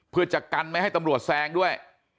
เพื่อจะกันไม่ให้ตำรวจแซงด้วย